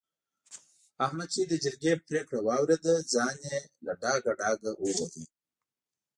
احمد چې د جرګې پرېکړه واورېده؛ ځان يې له ډاګه ډاګه وواهه.